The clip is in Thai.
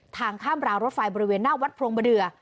ทางข้ามรางรถไฟบริเวณหน้าวัดพรมเดือ